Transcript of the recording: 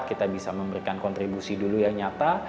kita bisa memberikan kontribusi dulu yang nyata